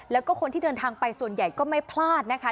แล้วก็คนที่เดินทางไปส่วนใหญ่ก็ไม่พลาดนะคะ